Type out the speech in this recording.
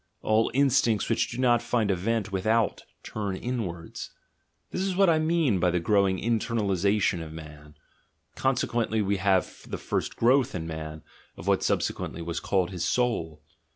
All in stincts which do not find a vent without, turn inwards — "GUILT" AND "BAD CONSCIENCE" 77 this is what I mean by the growing "internalisation" of man: consequently we have the first growth in man, of what subsequently was called his soul.